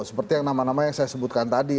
seperti yang nama nama yang saya sebutkan tadi